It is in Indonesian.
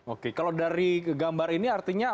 oke kalau dari gambar ini artinya